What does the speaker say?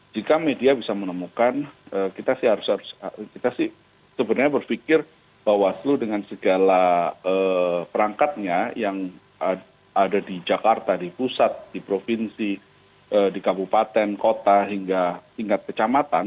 jika media bisa menemukan kita sih harus kita sih sebenarnya berpikir bahwa seluruh dengan segala perangkatnya yang ada di jakarta di pusat di provinsi di kabupaten kota hingga tingkat kecamatan